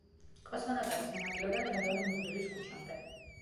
კოსმონავტების სანაპიროდან თევდორე მღვდლის ქუჩამდე.